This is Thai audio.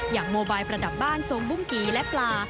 อย่างโมไบล์ประดับบ้านสวงบุ้งกีและปลา